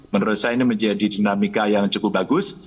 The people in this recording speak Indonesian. menurut saya ini menjadi dinamika yang cukup bagus